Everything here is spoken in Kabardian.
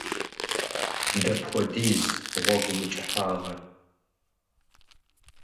Дапхуэдиз гъуэгум и кӏыхьагъыр?